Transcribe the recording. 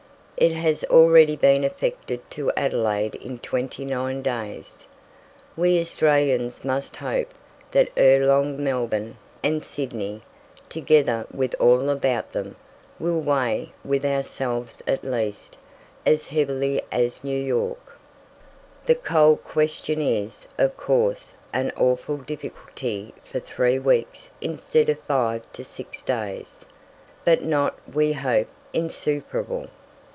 It has already been effected to Adelaide in 29 days. We Australians must hope that ere long Melbourne and Sydney, together with all about them, will weigh, with ourselves at least, as heavily as New York. The coal question is, of course, an awful difficulty for three weeks instead of five to six days, but not, we hope, insuperable.